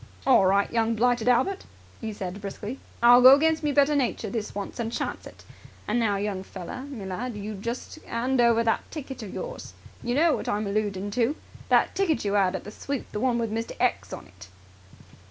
"All right, young blighted Albert," he said briskly. "I'll go against my better nature this once and chance it. And now, young feller me lad, you just 'and over that ticket of yours! You know what I'm alloodin' to! That ticket you 'ad at the sweep, the one with 'Mr. X' on it."